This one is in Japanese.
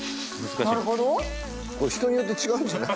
なるほどこれ人によって違うんじゃない？